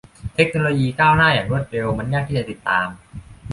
เทคโนโลยีก้าวหน้าอย่างรวดเร็วมันยากที่จะติดตาม